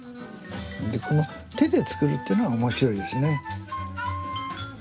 この手で作るというのが面白いですね。